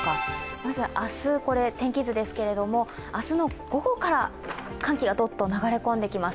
まず明日、天気図ですけど、明日の午後から寒気がどっと流れ込んできます。